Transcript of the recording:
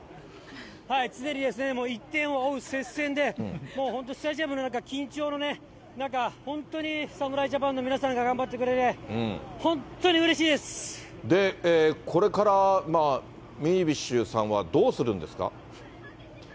常に１点を追う接戦で、もう本当スタジアムの中、緊張の中、本当に侍ジャパンの皆さんが頑張ってくれて、で、これからミニビッシュさんはどうするんですか？